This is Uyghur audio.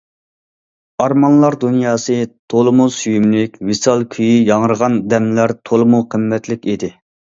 ئارمانلار دۇنياسى تولىمۇ سۆيۈملۈك، ۋىسال كۈيى ياڭرىغان دەملەر تولىمۇ قىممەتلىك ئىدى.